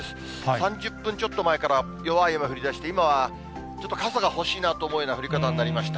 ３０分ちょっと前から弱い雨が降りだして、今はちょっと傘が欲しいなと思うような降り方になりました。